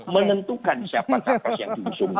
menentukan siapa siapa yang diusungnya